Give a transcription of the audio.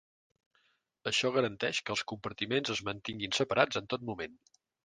Això garanteix que els compartiments es mantinguin separats en tot moment.